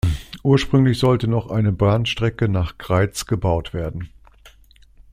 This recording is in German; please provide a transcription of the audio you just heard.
Ursprünglich sollte noch eine Bahnstrecke nach Greiz gebaut werden.